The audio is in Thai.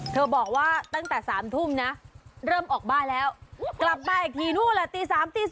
เธอบอกว่าตั้งแต่๓ทุ่มเริ่มออกบ้านแล้วกลับมาอีกทีนู่นตี๓๔